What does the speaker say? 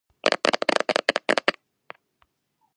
იგი საკმაოდ სქემატური და ორიგინალისგან განსხვავებული გამოსახულებაა.